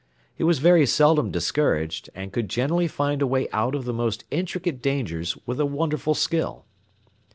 He was very seldom discouraged, and could generally find a way out of the most intricate dangers with a wonderful skill.